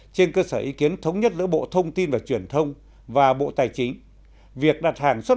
trên cơ sở ý kiến thống nhất giữa bộ thông tin và truyền thông và bộ tài chính việc đặt hàng xuất